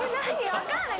分かんない。